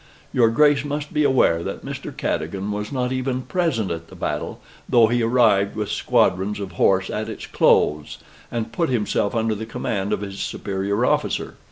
"Your Grace must be aware that Mr. Cadogan was not even present at the battle, though he arrived with squadrons of horse at its close, and put himself under the command of his superior officer.